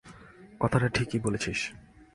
কথাটা ঠিকই বলেছিস।